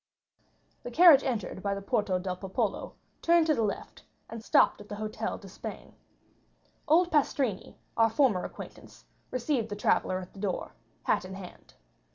50235m The carriage entered by the Porta del Popolo, turned to the left, and stopped at the Hôtel d'Espagne. Old Pastrini, our former acquaintance, received the traveller at the door, hat in hand.